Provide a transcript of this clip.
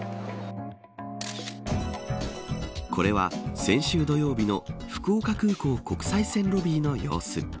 これは先週土曜日の福岡空港国際線ロビーの様子。